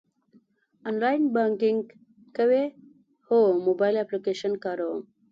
آنلاین بانکینګ کوئ؟ هو، موبایل اپلیکیشن کاروم